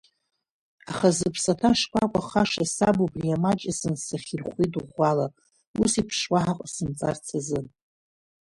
Аха, зыԥсаҭа шкәакәахаша, саб убри амаҷ азын сахьирхәит ӷәӷәала, ус еиԥш уаҳа ҟасымҵарц азын.